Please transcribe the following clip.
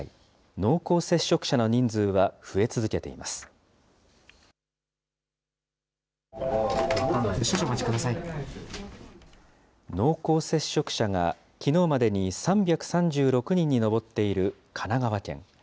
濃厚接触者が、きのうまでに３３６人に上っている神奈川県。